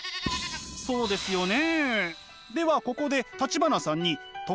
そうですよね。